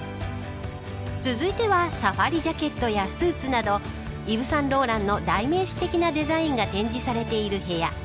続いてはサファリジャケットやスーツなどイヴ・サンローランの代名詞的なデザインが展示されている部屋。